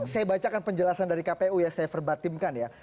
saya bacakan penjelasan dari kpu ya saya verbatimkan ya